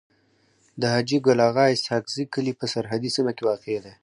د حاجي ګل اغا اسحق زی کلی په سرحدي سيمه کي واقع دی.